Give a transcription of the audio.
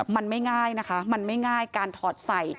มันไม่ง่ายนะคะมันไม่ง่ายการถอดใส่